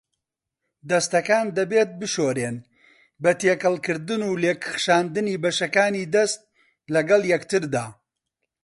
دەستەکان دەبێت بشورێن بە تێکەڵکردن و لێکخشاندنی بەشەکانی دەست لەگەڵ یەکتردا.